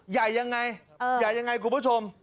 ใหญ่ยังไงใหญ่ยังไงคุณผู้ชม